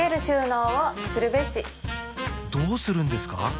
どうするんですか？